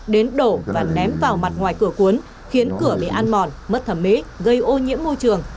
đến đổ và ném vào mặt ngoài cửa cuốn khiến cửa bị ăn mòn mất thẩm mỹ gây ô nhiễm môi trường